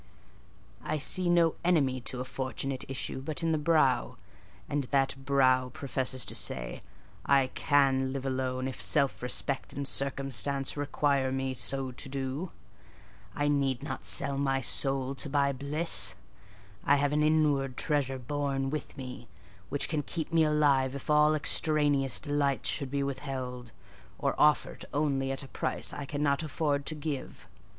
"I see no enemy to a fortunate issue but in the brow; and that brow professes to say,—'I can live alone, if self respect, and circumstances require me so to do. I need not sell my soul to buy bliss. I have an inward treasure born with me, which can keep me alive if all extraneous delights should be withheld, or offered only at a price I cannot afford to give.